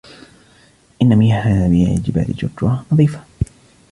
إن مياه ينابيع جبال جرجرة نظيفة.